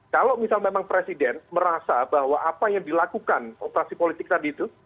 kalau misal memang presiden merasa bahwa apa yang dilakukan operasi politik tadi itu